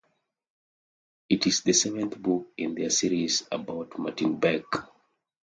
It is the seventh book in their series about Martin Beck.